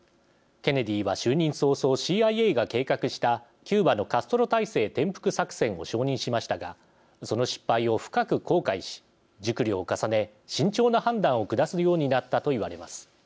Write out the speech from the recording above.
ケネディは就任早々ＣＩＡが計画したキューバのカストロ体制転覆作戦を承認しましたがその失敗を深く後悔し熟慮を重ね慎重な判断を下すようになったといわれます。